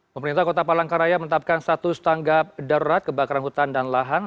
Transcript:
pemerintah kota palangkaraya menetapkan status tanggap darurat kebakaran hutan dan lahan